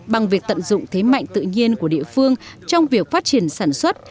bằng việc tận dụng thế mạnh tự nhiên của địa phương trong việc phát triển sản xuất